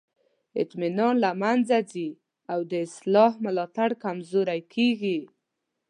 اطمینان له منځه ځي او د اصلاح ملاتړ کمزوری کیږي.